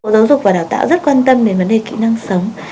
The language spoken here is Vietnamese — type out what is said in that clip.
giáo dục và đào tạo rất quan tâm đến vấn đề kỹ năng sống